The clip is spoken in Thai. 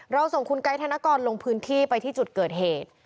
ส่งคุณไกด์ธนกรลงพื้นที่ไปที่จุดเกิดเหตุ